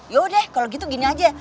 yaudah kalo gitu gini aja